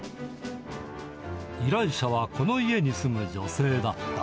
依頼者はこの家に住む女性だった。